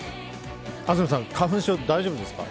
安住さん、花粉症大丈夫ですか？